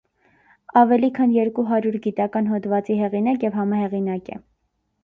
Ավելի քան երկու հարյուր գիտական հոդվածի հեղինակ և համահեղինակ է։